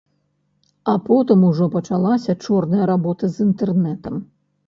А потым ужо пачалася чорная работа з інтэрнэтам.